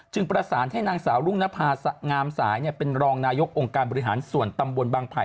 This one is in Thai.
ประสานให้นางสาวรุ่งนภางามสายเป็นรองนายกองค์การบริหารส่วนตำบลบางไผ่